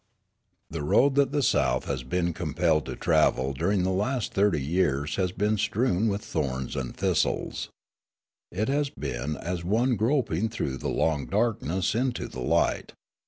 "The road that the South has been compelled to travel during the last thirty years has been strewn with thorns and thistles. It has been as one groping through the long darkness into the light.